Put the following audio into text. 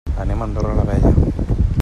Anem a Andorra la Vella.